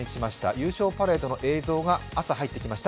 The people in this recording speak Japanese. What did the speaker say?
優勝パレードの映像が、朝、入ってきました。